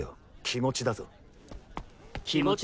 気持ちだぞ！